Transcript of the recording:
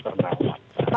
karena ini adalah